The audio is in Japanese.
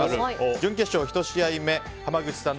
準決勝１試合目濱口さん